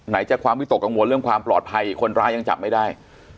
จากความวิตกกังวลเรื่องความปลอดภัยคนร้ายยังจับไม่ได้